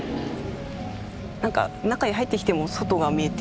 中へ入ってきても外が見えて。